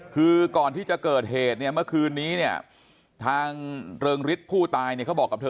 คือก่อนที่จะเกิดเหตุเนี่ยเมื่อคืนนี้เนี่ยทางเริงฤทธิ์ผู้ตายเนี่ยเขาบอกกับเธอ